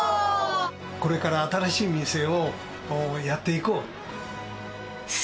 これから新しい店をやっていこうと。